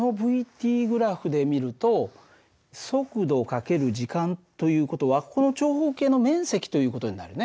ｔグラフで見ると速度×時間という事はここの長方形の面積という事になるね。